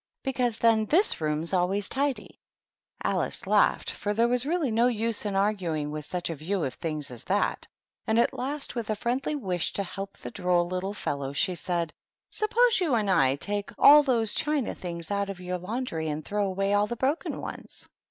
Because then this room's always tidy." Alice laughed, for there was really no use in arguing with such a view of things as that ; and at last, with a friendly wish to help the droll little fellow, she said, —" Suppose you and I take all those china things out of your laundry and throw away all the broken ones?"